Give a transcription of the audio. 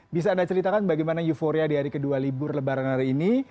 bisa anda ceritakan bagaimana euforia di hari kedua libur lebaran hari ini